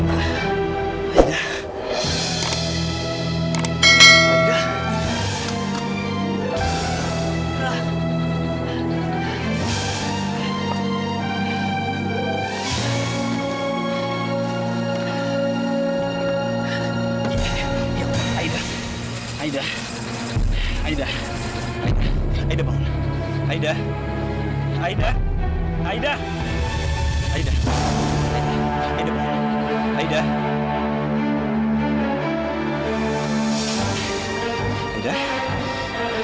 aik tadi culik